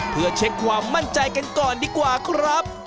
เพื่อเช็คความมั่นใจกันก่อนดีกว่าครับ